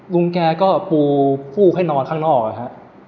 ลุงแกก็ปูฟูกให้นอนข้างนอกนะครับ